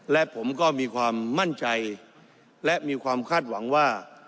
และผมก็มีความมั่นใจและมีความคาดหวังว่า